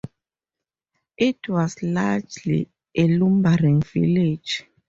It was largely a lumbering village.